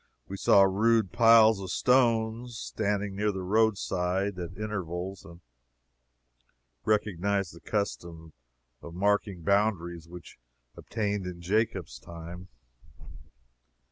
We saw rude piles of stones standing near the roadside, at intervals, and recognized the custom of marking boundaries which obtained in Jacob's time.